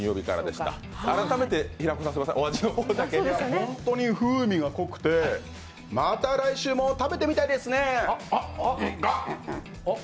本当に風味が濃くてまた来週も食べてみたいですね。